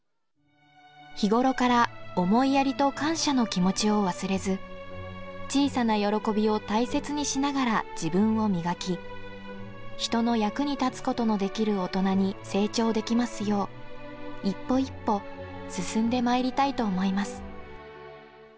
日頃から思いやりと感謝の気持ちを忘れず、小さな喜びを大切にしながら自分を磨き、人の役に立つことのできる大人に成長できますよう、一歩一歩進んでまいりたいと思います。